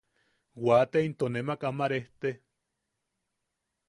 Waate into nemak ama rejte.